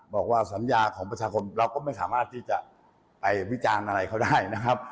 บอกว่าสัญญาของประชาชนเราก็ไม่สามารถที่จะไปวิจารณ์อะไรเขาได้นะครับ